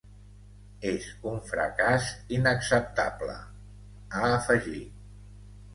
És un fracàs inacceptable, ha afegit.